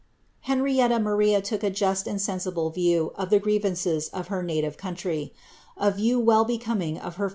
Henrietta Maria took a just and sensible view of the grievances of her native country — a view well becoming her Cither's daughter.